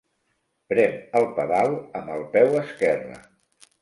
Prem el pedal amb el peu esquerre.